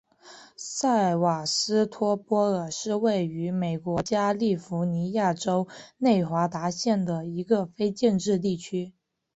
塞瓦斯托波尔是位于美国加利福尼亚州内华达县的一个非建制地区。